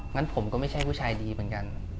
งั้นผมก็ไม่ใช่ผู้ชายดีเหมือนกัน